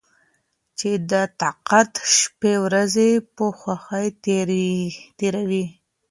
چې د تقاعد شپې ورځې په خوښۍ تېروي.